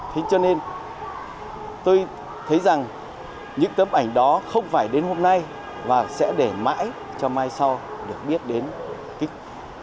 thế cho nên tôi thấy rằng những tấm ảnh đó không phải đến hôm nay và sẽ để mãi cho mai sau được biết đến kích